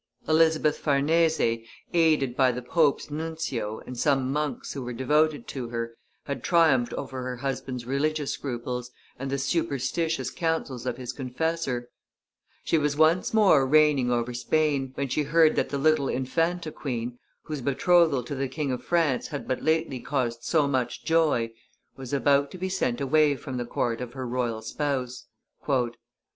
Elizabeth Farnese, aided by the pope's nuncio and some monks who were devoted to her, had triumphed over her husband's religious scruples and the superstitious counsels of his confessor; she was once more reigning over Spain, when she heard that the little Infanta queen, whose betrothal to the King of France had but lately caused so much joy, was about to be sent away from the court of her royal spouse.